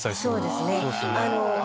そうですね。